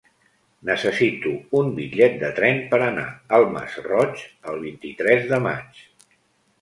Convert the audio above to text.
Necessito un bitllet de tren per anar al Masroig el vint-i-tres de maig.